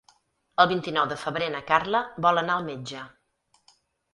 El vint-i-nou de febrer na Carla vol anar al metge.